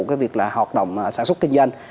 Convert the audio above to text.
cái việc là hoạt động sản xuất kinh doanh